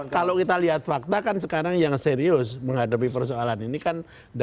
kalau kita lihat fakta kan sekarang yang serius menghadapi persoalan ini kan